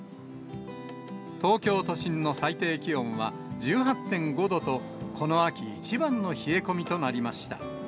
東京都心の最低気温は１８．５度と、この秋一番の冷え込みとなりました。